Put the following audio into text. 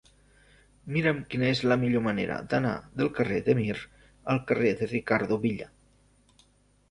Mira'm quina és la millor manera d'anar del carrer de Mir al carrer de Ricardo Villa.